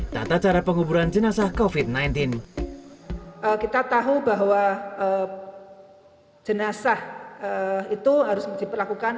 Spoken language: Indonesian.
tata cara penguburan jenazah kofit sembilan belas kita tahu bahwa jenazah itu harus diperlakukan